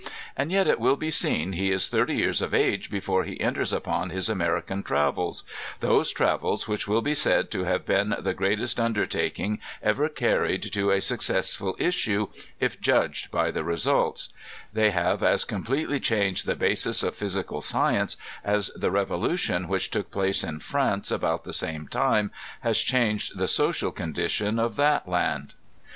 And yet it will be seen he is thirty years of age before he enters upon his American travels, those travels which will be said to have been the greatest undertaking ever carried to a successful issue, if judged by the results; they have as completely changed the basis of physical science as the revolution which took place in France about the same time has changed the social condition of that land.